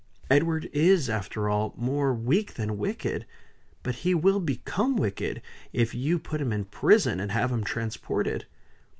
Edward is, after all, more weak than wicked; but he will become wicked if you put him in prison, and have him transported.